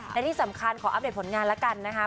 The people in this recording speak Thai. และที่สำคัญขออัปเดตผลงานแล้วกันนะคะ